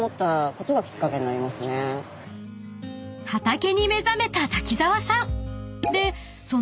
［畑に目覚めた滝沢さん］